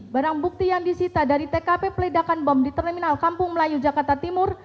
barang bukti yang disita dari tkp peledakan bom di terminal kampung melayu jakarta timur